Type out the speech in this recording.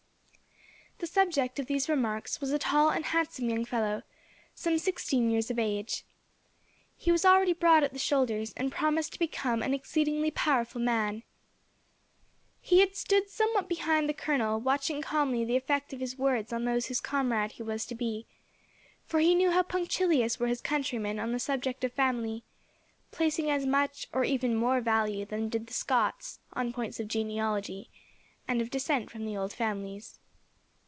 The subject of these remarks was a tall and handsome young fellow, some sixteen years of age. He was already broad at the shoulders, and promised to become an exceedingly powerful man. He had stood somewhat behind the colonel, watching calmly the effect of his words on those whose comrade he was to be, for he knew how punctilious were his countrymen, on the subject of family, placing as much or even more value than did the Scots, on points of genealogy, and of descent from the old families.